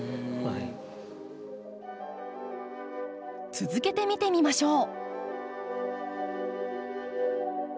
続けて見てみましょう。